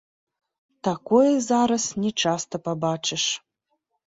Такое зараз не часта пабачыш.